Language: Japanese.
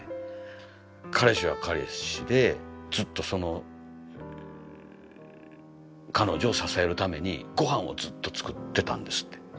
彼氏は彼氏でずっとその彼女を支えるために御飯をずっと作ってたんですって。